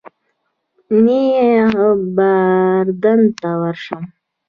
نیغ به اردن ته ورشم.